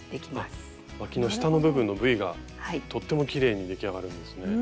あっわきの下の部分のＶがとってもきれいに出来上がるんですね。